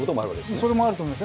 それもあると思います。